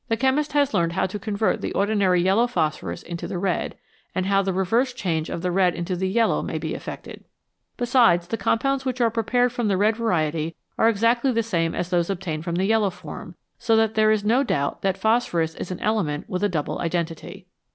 The chemist has learned how to convert the ordinary yellow phosphorus into the red, and how the reverse change of the red into the yellow may be effected. Besides, the compounds which are prepared from the red variety are exactly the same as those obtained from the yellow form, so that there is no doubt that phosphorus is an element with a double identity.